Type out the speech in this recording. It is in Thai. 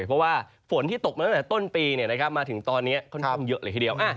เพราะว่าฝนที่ตกมาตั้งแต่ต้นปีมาถึงตอนนี้ค่อนข้างเยอะเลยทีเดียว